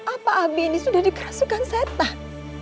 apa abi ini sudah dikasihkan setan